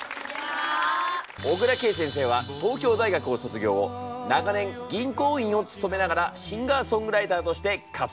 小椋佳先生は東京大学を卒業後長年銀行員を務めながらシンガーソングライターとして活動。